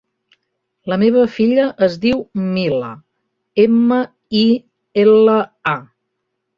La meva filla es diu Mila: ema, i, ela, a.